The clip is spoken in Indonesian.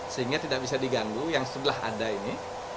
sehingga tidak bisa diganggu yang sebelah ada ini